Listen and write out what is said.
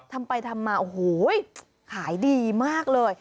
ทำไปทำมาโอ้โหขายดีมากเลย